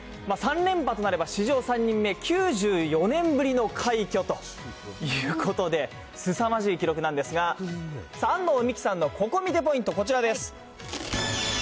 ３連覇となれば、史上３人目、９４年ぶりの快挙ということで、すさまじい記録なんですが、安藤美姫さんのココ見てポイント、こちらです。